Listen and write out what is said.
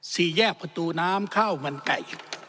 สี่แยกประตูน้ำข้าวมันไก่